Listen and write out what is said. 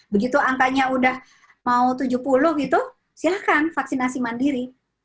begitu angkanya udah mau tujuh puluh gitu silahkan vaksinasi mandiri